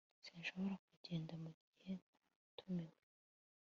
Sinshobora kugenda mugihe ntatumiwe